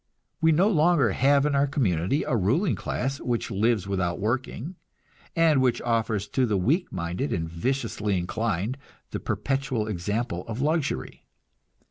We no longer have in our community a ruling class which lives without working, and which offers to the weak minded and viciously inclined the perpetual example of luxury.